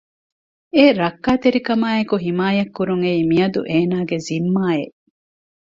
އެ ރައްކަތެރިކަމާއެކު ހިމާޔަތް ކުރުން އެއީ މިއަދު އޭނާގެ ޒިންމާއެއް